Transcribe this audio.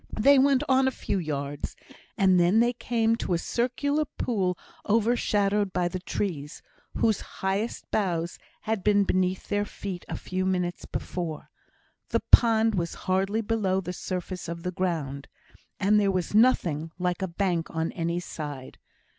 They went on a few yards, and then they came to a circular pool overshadowed by the trees, whose highest boughs had been beneath their feet a few minutes before. The pond was hardly below the surface of the ground, and there was nothing like a bank on any side.